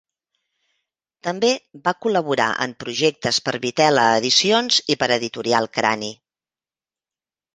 També va col·laborar en projectes per Vitel·la edicions i per Editorial Crani.